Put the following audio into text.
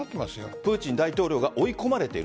プーチン大統領が追い込まれている？